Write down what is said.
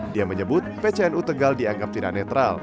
dia menyebut pcnu tegal dianggap tidak netral